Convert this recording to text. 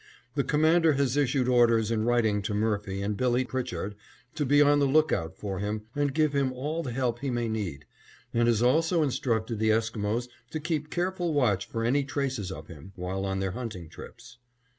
The Commander has issued orders in writing to Murphy and Billy Pritchard to be on the lookout for him and give him all the help he may need, and has also instructed the Esquimos to keep careful watch for any traces of him, while on their hunting trips.